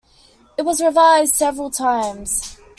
It was revised several times.